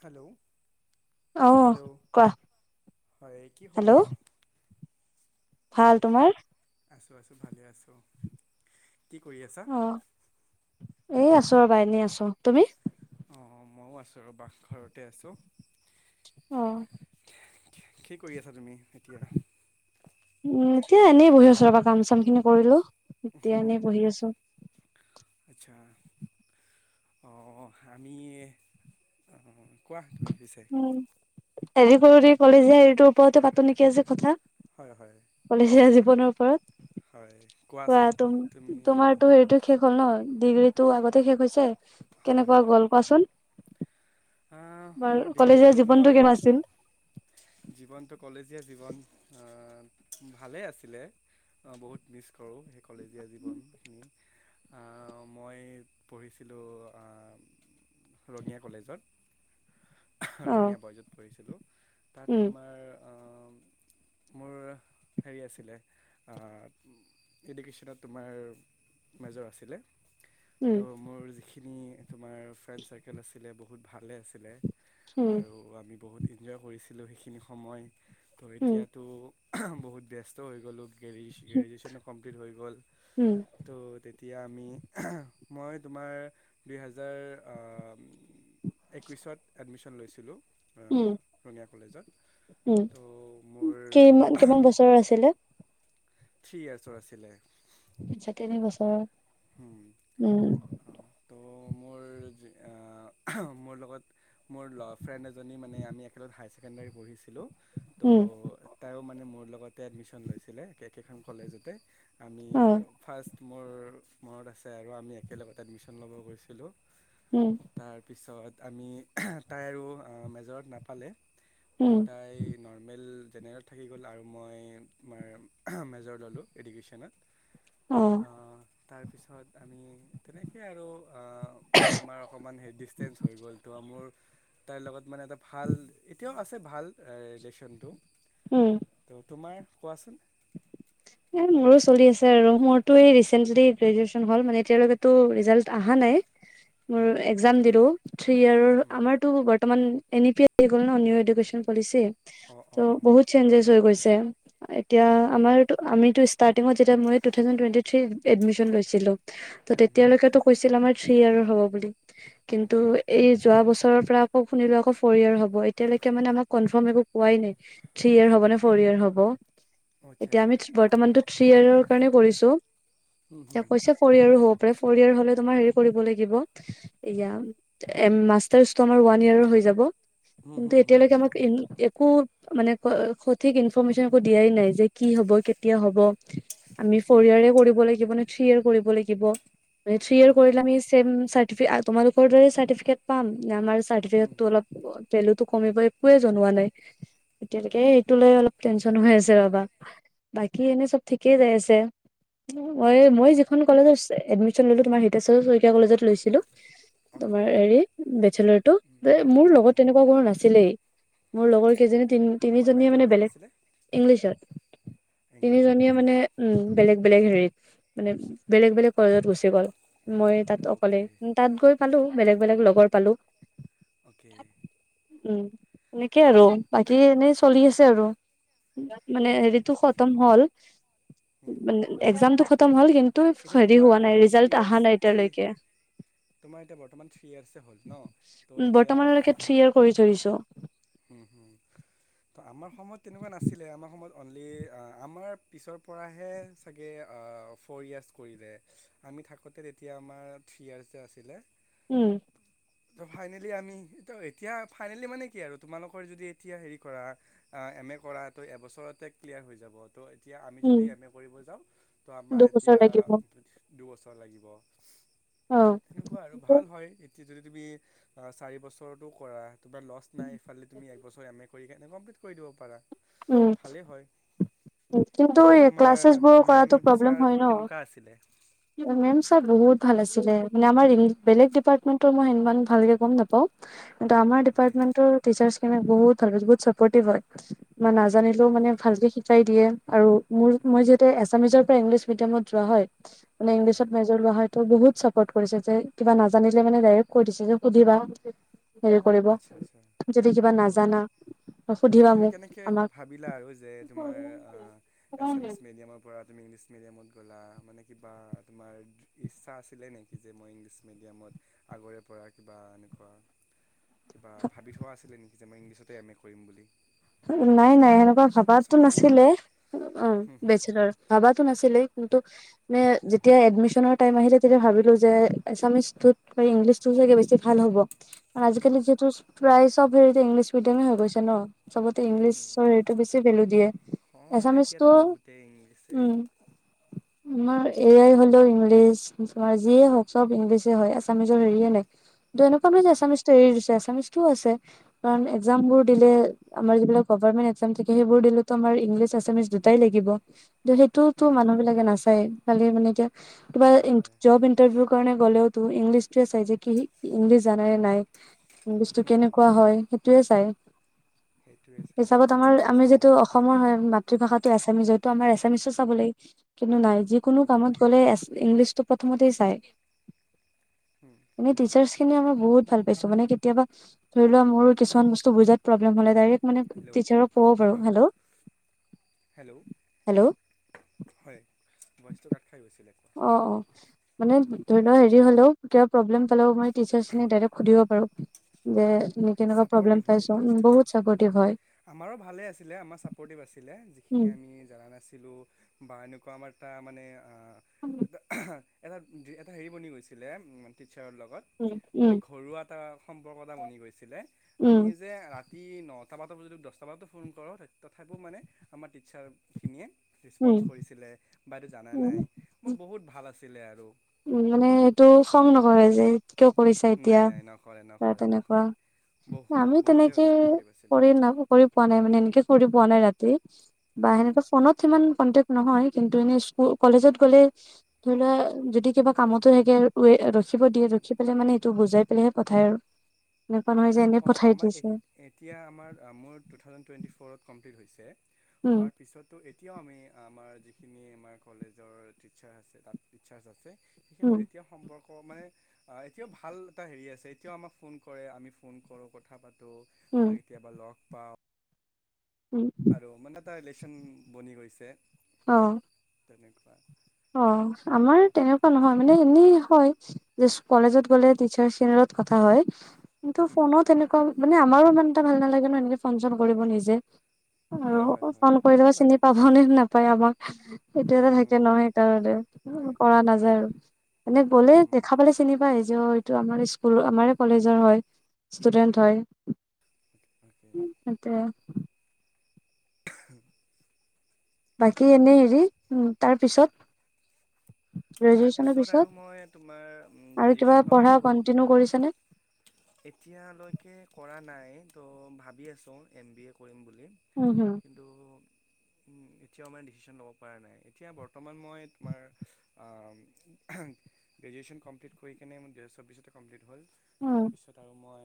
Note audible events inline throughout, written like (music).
Hello অ hello, কোৱা হয় কি হেল্ল' খবৰ? ভাল, তোমাৰ? আছো আছো, ভালে আছোঁ। কি কৰি আছা? এই আছো ৰ'বা, এনে আছো, তুমি? অ', মইও আছো ৰ'বা, ঘৰতে আছো। অ'। কি কৰি আছা তুমি? এতিয়া এতিয়া এনেই বহি আছোঁ ৰ'বা, কাম চামখিনি কৰিলো। এতিয়া এনেই বহি আছো। আচ্ছা, অ' আমি, এ' কোৱা, তুমি পিছে। উম হেৰি কৰোঁ দি ক'লে যে, হেৰিটোৰ ওপৰতে পাতো নেকি আজি কথা। হয় হয়। বনৰ ওপৰত। হয় কোৱা, কোৱাচোন তুমি তুম-তোমাৰটো হেৰিটো শেষ হ'ল ন, ডিগ্ৰীটো আগতে শেষ হৈছে। হয় কেনেকুৱা হয় গ'ল, কোৱাচোন। আহ, মোৰ বাৰু, কলেজৰ ডিগ্ৰীটো জীৱনটো মই কেনেকুৱা আছিল? জীৱনটো কলেজীয়া জীৱন, অ', ভালেই আছিলে, বহুত মিছ কৰোঁ সেই কলেজীয়া জীৱনখিনি, মই পঢ়িছিলোঁ অ', উম, ৰঙিয়া কলেজত। অ ৰঙীয়া বইজত পঢ়িছিলোঁ। তাত উম তোমাৰ। মোৰ হেৰি আছিলে এডুকেশ্যনত তোমাৰ মেজৰ আছিলে। ত' উম মোৰ যিখিনি। তোমাৰ ফ্ৰেণ্ড চাৰ্কেল আছিলে বহুত। বহুত ভালে আছিলে। উম আৰু আমি বহুত। এনজয় কৰিছিলোঁ সেইখিনি সময়। ত' উম এতিয়াতো। বহুত ব্যস্ত হৈ গ'লো। গ্ৰে গ্ৰেজুৱ্যন কমপ্লিট হৈ গ'ল উম ত' তে। এতিয়া আমি মই তোমাৰ দুই হেজাৰ। একৈছত। এডমি্যন লৈছিলোঁ। উম ৰঙিয়া কলেজত উম ত' কিমান মোৰ। কিমান বছৰৰ আছিলে থ্ৰী ইয়াৰ্চৰ আছিলে। আচছা তিনি বছৰ। উম। ত মোৰ মোৰ লগত মোৰ লভ ফ্ৰেণ্ড এজনী মানে আমি একেলগ হায়াৰ ছেকেণ্ডেৰী পঢ়িছিলোঁ। উম ত' তাইও মানে মোৰ লগত। এডমিশন লৈছিলে কেইখন কলেজতে। আমি অ ফাৰষ্টট। মোৰ। মৰত আছে আৰু আমি একেলগত এডমিশ্যন ল'ব গৈছিলোঁ। উম তাৰ পিছত। আমি তাই আৰু মেজৰত নাপালে। উম ত' তাই নৰ্মেল। জেনেৰেলত থাকি গ'ল আৰু মই তোমাৰ মেজৰ ল'লোঁ এডুকেশ্যনত। অহ। তাৰ পিছত আমি তেনেকে আৰু। আমাৰ অকণমান হেৰি ডিচষ্টেঞ্চ হৈ গ'ল তো মোৰ। তাইৰ লগত মানে এটা ভাল এতিয়াও আছে ভাল ৰিলেশ্যনটো। উম ত তোমাৰ কোৱাচোন। এ মোৰো চলি আছে আৰু মোৰতো এই ৰিচেন্টলি গ্ৰেজোয়েচন হল মানে এতিয়ালৈকেতো ৰিজাল্ট আহা নাই। মোৰ এক্সাম দিলো। থ্ৰী ইয়াৰৰ, আমাৰতো বৰ্তমান এন ই পি এি গ'ল ন নিউ এডুকেশ্যন পলিচি। অঁ অঁ ত' অঁ বহুত চেঞ্জেছ হৈ গৈছে। তেওঁ এতিয়া অ'কে আমাৰ আমিত ষ্টাৰ্টিত যেতিয়া মই ট থাউেণ্ডটুৱেণ্টি থ্ৰী এডমি্চন লৈছিলো। ত' তেতিয়ালৈকেটো কৈছিল আমাৰ থ্ৰী ইয়াৰৰ হ'ব বুলি। কিন্তু অ'কে এই যোৱা বছৰ ওচৰৰ পৰা শুনিলে আকৌ ফ'ৰ ইয়েৰ হ'ব, এতিয়ালৈকে মানেমাক কনফাৰ্ম একো পোৱাই নাই থ্ৰী ইয়ে হ'ব নে ফ'ৰ ইয়েৰ হব। অঁ আচ্ছা এতিয়া আচ্ছা আমি বৰ্তমানটো থ্ৰী ইয়াৰৰ কাৰণে কৰিছো। এতিয়া কৈছে ফৰ ইয়াৰৰ হব। পৰা ফ'ৰ ইয়েৰ হ'লে তোমাৰ হেৰি কৰিব লাগিব এয়া মাষ্টাৰ্চটো আমাৰ ওৱান ইয়েৰৰ হৈ যাব। কিন্তু এতিয়ালৈকে আমাক একো মানে সঠিক ইনফৰৰ্মেশ্যন একো দিয়াই নাই যে। কি হব, কেতিয়া হব? আমি ফৰিয়াৰে কৰিব লাগিব নে? থ্ৰী ইযেৰ কৰিব লাগিব। থ্ৰী ইয়েৰ অ'কে কৰিলে ছেম আমি তোমালোকৰ দৰে চাৰ্টিফিকেট পাম নে আমাৰ চাৰ্টিফিকেটতো অলপ ভেলুটো কমিব একোৱে জনোৱা নাই এতিয়ালৈকে। সেইটো লৈ অলপ আচ্ছা টেনশন হৈ আছে ৰবা। বাকী এনে চব ঠিকেই যাই আছে মই-মই যিখন কলেজত এডমিচন ললো তোমাৰ হিতেশ্বৰ শইকীয়া কলেজত লৈছিলো। অ'কে তোমাৰ অ'কে হেৰি বেচেলৰটো যে মোৰ লগত অঁ তেনেকুৱা কোনো নাছিলেই। মোৰ লগৰ কেইজনী তোমাৰ তি-তিনিজনীয়ে মেজৰ মানে কিহত বেলেগ আছিলে ইংলিছত, ইংলিছত তিনিজনীয়ে অ'কে মানে উম বেলেগ বেলেগ হে মানে বেলেগ বেলেগ কলেজত গুচি গ'ল মই তাত অকলে অ'কে তাত গৈ পালো, বেলেগ বেলেগ লগৰ পালো'- অ'কে উম, সেনেকে আৰু বাকী এনেই চলি আছে আৰু আচ্ছা তো আচ্ছা খটম হ'ল, হুম। মান নে একজামটো খটম হ'ল। হ'ল। কিন্তু এতিয়া হেৰি তোমাৰ হোৱা অ নাই থ্ৰী ৰিজাল্ট ইয়োৰ্চ, অহা নাই এতিয়ালৈকে থ্ৰী, তোমাৰ এতিয়া বৰ্তমান থ্ৰী ইয়োৰ্চে হ'ল ন'। ত' উম এতিয়া ফ বৰ্তমানলৈকে থ্ৰী ইয়েৰ কৰি থৈ দিছো উম-হুম, ত' আমাৰ আমাৰ তেনেকোৱা নাছিলে আমাৰ সময়ত অ'নলি আ আমাৰ পিছৰ পৰাহে চাগে ফ'ৰ ইয়েৰ্চ কৰিলে। আমি থাকোঁতে তেতিয়া আমাৰ থ্ৰী ইয়াৰ্চ য়ে আছিলে উম ত' ফাইনেলি আমি, ত' এতিয়া ফাইনেলি মানে কি আৰু তোমালোকৰ যদি এতিয়া হেৰি কৰা, আ এম এ কৰা ত' এবছৰতে ক্লিয়াৰ হৈ যাব। এতিয়া আমি উম যদি এম এ কৰিব যাওঁ, ত' আমাৰ দুবছৰ এতিয়া লাগিব দুবছৰ লাগিব। অ তেনেকোৱা আৰু কিন্তু ভাল হয় এতি যদি তুমি অ' চাৰি বছৰতো কৰা তোমাৰ লষ্ট নাই ফ খালি তুমি একবছৰ এম এ কৰি কে কমপ্লিট দিব পাৰা। উম ভালেই হয় কিন্তু পিছে এ তোমাৰ ক্লাছেছ বোৰ মেম কৰাটো প্ৰব্লেম হয় ছাৰবোৰ ন', কেনেকুৱা আছিলে মেম-চাৰ বহুত বহুত ভাল আছিলে। মানে আমাৰ ইং, বেলেগ ডিপাৰ্টমেন্টৰ মই মানে ভালকে গম নাপাও কিন্ত আমাৰ অ'কে ডিপ্টামেণ্টৰ টিচাৰ্চখি বহুত বহুত চাপৰ্তিভ হয়। কিবা নাজা নাজানিলেও মানে অ'কে ভালকে শিক কাই দিয়ে আৰু মোৰ, মই যেতিয়া এছামিছৰ ইংলিছ মিডিয়ামত যোৱা হয়, মানে হয় ইংলিছত মেজৰ লোৱা হয় ত' বহুত চাপৰ্ট কৰিছে যে কিবা নাজানিলে মানে ডাইৰেক্ট কৈ দিছে যে সুধিবা হেৰি কৰিব, আচ্ছা আচ্ছা যদি কিবা ত' নাজানা ত' সুধিবা তুমি মোক কেনেকৈ আমাক ভাবিলা আৰু যে তোমাৰ আ এছামিছ মিডিয়ামৰ পৰা আ তুমি ইংলিছ মিডিয়ামত গ'লা। মানে কিবা তোমাৰ ইচ্ছা আছিলে নেকি যে মই ইংলিছ মিডিয়ামত আগৰে পৰা কিবা এনেকুৱা কিবা ভাবি থোৱা আছিলে নেকি? (unintelligible) ইংলিছতে এম এ কৰিম বুলি নাই নাই সেনেকুৱা ভাবাতো চৰি বি এ নাছিলে। কৰা অ' হুম হুম বেষ্টচেলাৰ, ভাবাতো নাছিলে যেতিয়া এডমিচনৰ টাইম আহিলে তেতিয়া ভাবিলো যে এছামিচটোত বা ইংলিছটো চাগে বেছি ভাল হ'ব (unintelligible) হুম আজিকালি যিহেতু প্ৰাই চব হেৰিতে ইংলিছ মিডিয়ামে হৈ গৈছে ন চবতে হুম হুম ইংলিছৰ সেইটো বেছি ভেলু দিয়ে অঁ এছামিচতটো এতিয়াতো বহুতেই ইংলিছে উম আমাৰ এয়াই হ'লেও ইংলিছ যিয়ে হওক চব ইংলিছে হয় আ এছামিজৰ হেৰিয়ে নে দু এনেুৱাাম যে হুম হুম এছামিছ তৰি দিছে এছামিছ (unintelligible) সটো আছে কাৰণ এক্জাম বোৰ দিলে (unintelligible) আমাৰ যিবিলাক গভমেণ্ট এক্জাম থাকে সেইবোৰ দিলো আাৰ ইংলিছ এছামিছ দুটাই লাগিব সেইটোওতো হুম হুম মানুহ বিলাকে নাচায় খালি মানে এতিয়া কিবা হয় হয় জব ইন্টাৰভিউ কাৰণে গ'লেও তো ইংলিছে চাই কি ইংলিছ জানে নাই (unintelligible) বস্তু হুম কেনেকুৱা হয় সেইটোয়ে চাই (unintelligible) সেইটোৱে ছাৰ হিচাপত আজিকালি আমাৰ আমি ইংলিছটো যিটো বহুত অসমৰ হয় মাতৃভাষাত (unintelligible) এছামিছ হয়তটো আমাৰ এছামিছো চাব লাগে কিন্তু নাই (unintelligible) যিকোনো চাব কামত লাগিব গ'লে ইংলিছটো প্ৰথমতেই চায় হুম এনে টিচাৰ সেই খিনি আমাৰ বহুত ভাল পাইছো মানে কেতিয়াবা ধৰি লোৱা মোৰ কিছুমান বস্তু ব (unintelligible) য (unintelligible) হেল্লো' হেল্লো' হেল্ল' হয় বস্ত কাঠ খাই গৈছিলে কোৱাচোন অ অ মানে ধৰি লও হেৰি হ'লেও কিবা প্ৰব্লেম পালেও মই টিচাৰখিনি ডাইক্ সুধিব পাৰো বে চাপটিভ হয় হয় আমাৰো ভালে আছিলে আমাৰ চাপৰ্টিভ আছিলে (unintelligible) যিখিনি উম আমি জান নাছিল ছিলো বা এনেকুৱা আমাৰ তটা মানে--! (unintelligible) (unintelligible) এটা এটা হেৰি বনি গৈছিলে টিছাৰ লগত মানে উম ঘৰুৱা এটা সম্পৰ্ক এটা বনি গৈছে আমি উম যে ৰাতি ন নটা বজাত যদি দহটা বজাতো ফোন কৰোঁ তথাপিও মানে আমাৰ টিচাৰখিনিয়ে ৰেচপঞ্চ উম কৰিছিলে। বাইদেউ জানা নাই মই বহুত ভাল আছে। ছিলে আৰু। উ মানে এইটো খং নকৰে যে। কিয় কৰিছা এতিয়া নাই নাই নকৰে নকৰে তেনেকুৱা নকৰে বহুত আমি বহুতে তেনেকে ছাপৰ্টিভ আছিলে কৰি ন কৰি পোৱা নাই মানে এনেকে কৰি। পোৱা নাই ৰাতি। বা সেনেকা ফোনত সিমান কন্তেক নহয় কিন্তু এনেই স্কুল কলেজত গ'লে ধৰি লোৱা যদি কিবা কামতো থাকে ৰাখিব দিয়ে ৰাখি পেলে মানে তটো বুজাই পেলাইহে পঠায় আৰু। এনেকুৱা নহয় যে এনে অঁ পঠাই আমাৰ দিছে এতিয়া আমাৰ মোৰ টু থাউজেণ্ড টুৱেণ্টি ফ'ৰত। কমপ্লিট হৈছে। উম, হোৱাৰ পিছতো এতিয়াও আমি আমাৰ যিখিনি আমাৰ কলেজৰ টিচাৰ আছে তাত টিচাৰছ আছে। উম, সেইখিনত এতিয়াও সম্পৰ্ক মানে এতিয়াও ভাল এটা হেৰি আছে এতিয়াও আমাক ফোন কৰে আমি। ফোন কৰো কথা পাতো। ত উম, বা কেতিয়াবা লগ পাওঁ। উম, আৰু মানে এটা ৰিলেশ্যন বনি গৈছে। অ তেনেকুৱা অ আমাৰ তেনেকুৱা নহয় মানে এনেই হয় কলেজত গলে টিচাৰ চেনেলত কথা হয়। কিন্তু হুম, ফোনত হুম। এনেকুৱা মানে আমাৰো ইমান এটা ভাল নালাগে ন এনেকে ফন চন কৰিব নিজে। আৰু হয় হয় হয় ফোন সেইটো কৰি দব হয় চিনি বাৰু পাব নে নাপায় আমাৰ এইটো হুম, এটা হুম, থাকে হুম। নহয়। থাকে কৰা থাকে নাযায় আৰু এনে গ'লে হুম, দেখা পালে চিনি পাই যে আমাৰ স্কুল আমাৰে কলেজৰ হয় ষ্টুডেন্ট হয়। অ'কে। সেইটোৱে। (inaudible) বাকী এনে হেৰি উ তাৰ পিছত? গ্ৰেজুৱেচনৰ তাৰপিছত আৰু পিছত মই তোমাৰ আৰু কিবা গ্ৰেজুৱেশ্যন পঢ়া কমপ্লিট হ'ল। কন্টিনিউ কৰিছানে এতিয়ালৈকে কৰা নাই। টো ভাবি আছো এম বি এ কৰিম বুলি। উম হম কিন্তু এতিয়াও মানে ডিচিছন ল'ব পৰা নাই। এতিয়া বৰ্তমান মই তোমাৰ গ্ৰেজুৱেশ্যন কমপ্লিট কৰি কিনে মোৰ দুহেজাৰ চৌব্বিছতে কমপ্লিট হ'ল। উম তাৰপিছত আৰু মই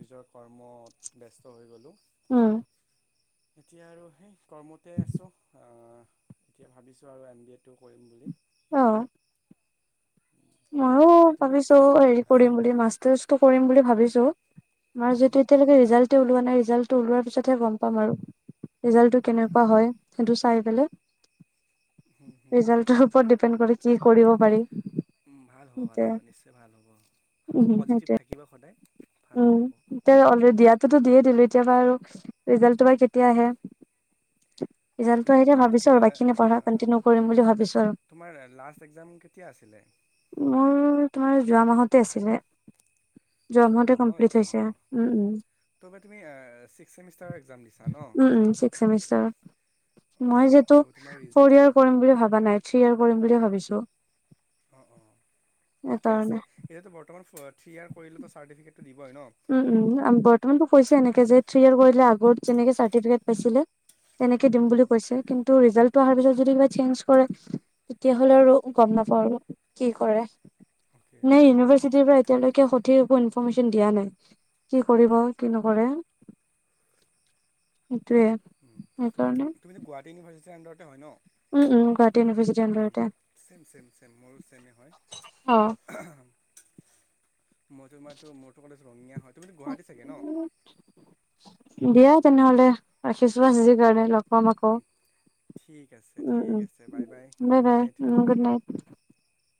নিজৰ কৰ্মত ব্যস্ত হৈ গলো। উম। এতিয়া আৰু সেই কৰ্মতে আছো। অহ এতিয়া ভাবিছো আৰু এম বি এ টো কৰিম বুলি। অ। সেয়ে ময়ো ভাবিছোঁ তুমি ভাবিছো হেৰি কৰিম বুলি, মাষ্টাৰছটো কৰিম বুলি। ভাবিছো। আমাৰ যে উম, এতিয়ালৈকে ৰিজাল্ট এ ওলোৱা নাই ৰিজাল্ট ত ওলোৱাৰ পিছতহে গম পাম আৰু। ৰিজাল্টটো কেনেকুৱা হুম, হয় সেইটো চাই পেলে হুম, হুম, ৰিজাল্টৰ ওপৰত ডিপেণ্ড কৰি কি কৰিব পাৰি উম, ভাল হ'ব, ভাল সেইটোৱে হ'ব, নিশ্চয় ভাল হ'ব। উম পজিটিভ সেইটোৱে থাকিবা। সদায় ভালে উম, হ'ব এতিয়া অলৰেডী দিয়াটোটো দিয়ে দিলি। কেতিয়াবা আৰু ৰিজালটো বা কেতিয়া আহে? অ'কে ৰিজালটো আহিলে তোমাৰ ভাবিছো ঠিকে আৰু বাকীখিনি পঢ়া কন্টিনিউ কৰিম বুলি ভাবিছো আৰু। তোমাৰ লাষ্ট এক্সাম কেতিয়া আছিলে মোৰ তোমাৰ যোৱা মাহতে আছিলে। যোৱা মাহতে মাহত কমপ্লিট হৈছে। অঁ উম, উম। ত' বা তুমি ছিক্স ছেমিষ্টাৰৰ এক্সাম দিছা ন উম, উম। ছিক্স ছেমিষ্টাৰৰ। মই অ'কে যিহেতু ত' তোমাৰ ৰিজ ফৌৰ ইয়ৰ কৰিম বুলি ভাবা নাই। শ্বেয়াৰ কৰিম বুলি ভাবিছো। অ, অ। ঠিকে সেইকাৰণে আছে এতিয়াটো বৰ্তমান থ্ৰীয়াৰ কৰিলেটো চাৰ্টফিকেট উম, উম। বৰ্তমান টো কৈছে এনেকে যে থ্ৰী ক্লেয়াৰ কৰিলে আগত যেনেকৈ চাৰ্টিফিকেট পাইছিলে তেনেকে দিম বুলি কৈছে। কিন্তু টো ৰিজাল্টটো অহাৰ পিছত যদি কিবা চেঞ্জ কৰে, তেতিয়া হ'লে আৰু গম নাপাওঁ আৰু কি কৰে। অ'কে নাই, অ'কে ইউনিভাৰ্চিটি পৰা এতিয়ালৈ এতিয়া সঠিক একো ইনফৰমেশ্যন দিয়া নাই। কি কৰিব, কি নকৰে। এইটোয়ে। তুমিটো গুৱাহাটী ইউভাৰ্চি (unintelligible) ষ্টেণ্ডাৰতে হয় ন (unintelligible) উম উম গুৱাহাটী ইউনিভাৰ্চিটিৰ আন্দাৰতে ছেম ছেম ছেম মোৰো ছেমে হয় অ মই ত মাত ম ৰঙা হয় তুমিত গুৱাহাটী চাগে ন দিয়া তেনেহলে ৰাখিছো আজিৰ কাৰণে লগ মামা ক ঠিক আছে ঠিক আছে বাই গুড বাই বাৰ নাইট গুড নাইট (unintelligible)